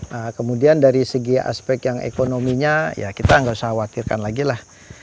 nah kemudian dari segi aspek yang ekonominya ya kita nggak usah khawatirkan lagi lah